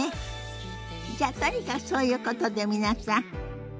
じゃあとにかくそういうことで皆さんごきげんよう。